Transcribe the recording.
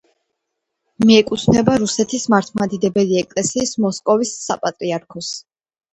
მიეკუთვნება რუსეთის მართლმადიდებელი ეკლესიის მოსკოვის საპატრიარქოს.